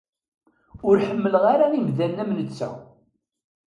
Ur ḥemmleɣ ara imdanen am netta.